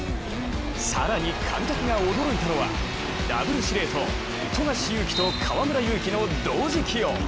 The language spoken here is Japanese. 更に観客が驚いたのはダブル司令塔、富樫勇樹と河村勇輝の同時起用。